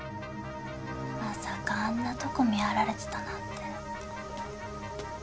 まさかあんなとこ見張られてたなんて。